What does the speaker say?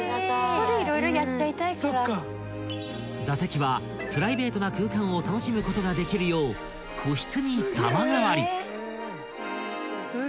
［座席はプライベートな空間を楽しむことができるよう個室に様変わり］